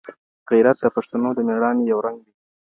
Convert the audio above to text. غیرت د پښتنو د مېړاني یو رنګ دی.